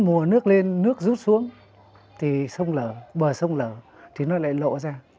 mùa nước lên nước rút xuống thì sông lở bờ sông lở thì nó lại lộ ra